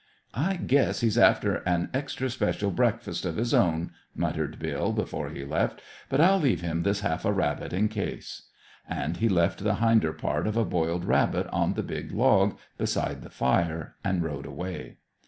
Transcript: "I guess he's after an extra special breakfast of his own," muttered Bill, before he left; "but I'll leave him this half a rabbit, in case." And he left the hinder part of a boiled rabbit on the big log beside the fire, and rode away.